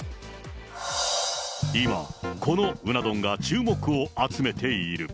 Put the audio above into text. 今、このうな丼が注目を集めている。